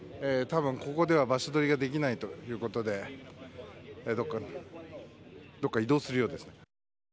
多分、ここでは場所取りができないということでどこか移動するようです。